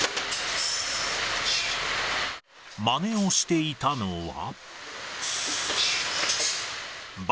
まねをしていたのは。